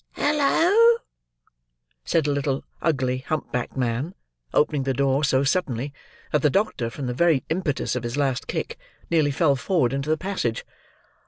"Halloa?" said a little ugly hump backed man: opening the door so suddenly, that the doctor, from the very impetus of his last kick, nearly fell forward into the passage.